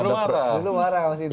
dulu marah pak mas intan